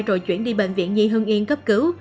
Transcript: rồi chuyển đi bệnh viện nhi hưng yên cấp cứu